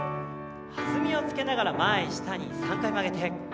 弾みをつけながら前、下に３回曲げて。